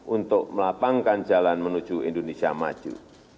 untuk melapangkan jalan menuju indonesia maju